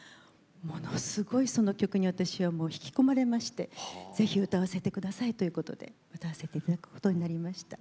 ものすごいその曲に私はもう引き込まれまして是非歌わせてくださいということで歌わせていただくことになりました。